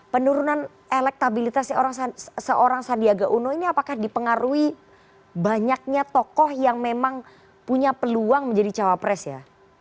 penurunan elektabilitasnya seorang sandiaga uno ini apakah dipengaruhi banyaknya tokoh yang memang punya peluang menjadi cawapres ya